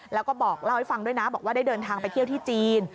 แล้วก็บอกเล่าให้ฟังด้วยนะบอกว่าได้เดินทางไปเที่ยวที่จีน